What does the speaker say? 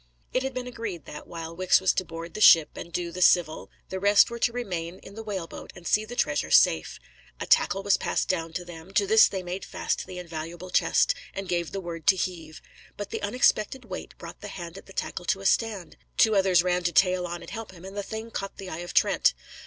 It had been agreed that, while Wicks was to board the ship and do the civil, the rest were to remain in the whaleboat and see the treasure safe. A tackle was passed down to them; to this they made fast the invaluable chest, and gave the word to heave. But the unexpected weight brought the hand at the tackle to a stand; two others ran to tail on and help him, and the thing caught the eye of Trent.